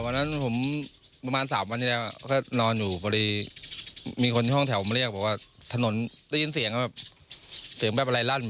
กลัวว่ามันจะลามเข้ามาถึงบ้าน